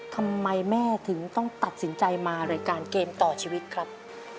ทำไมแม่ถึงต้องตัดสินใจมารายการเกมต่อชีวิตครับ